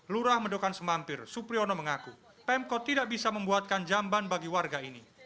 lurah mendokan semampir supriyono mengaku pemkot tidak bisa membuatkan jamban bagi warga ini